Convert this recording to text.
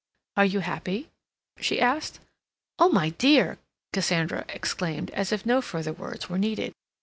"Are you—happy?" she asked. "Oh, my dear!" Cassandra exclaimed, as if no further words were needed.